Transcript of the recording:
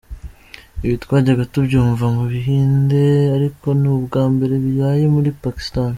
Ibi twajyaga tubyumva mu buhinde ariko ni ubwambere bibaye muri Pakistan.